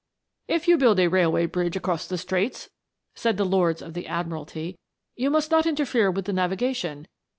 " If you build a railway bridge across the Straits," said the Lords of the Admiralty, " you must not interfere with the navigation.